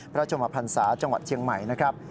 ชมพันศาจังหวัดเชียงใหม่นะครับ